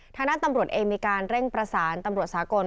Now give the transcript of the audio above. ทางด้านตำรวจเองมีการเร่งประสานตำรวจสากล